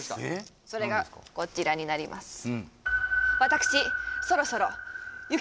それがこちらになりますえっ？